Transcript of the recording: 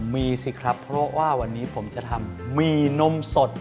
มีสิครับเพราะว่าวันนี้ผมจะทำหมี่นมสด